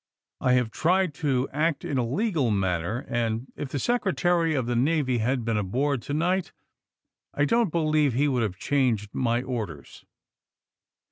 I have tried to act in a legal manner, and if the Secretary of the Navy had been aboard to night I don't believe he would have changed my or ders."